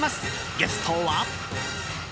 ゲストは。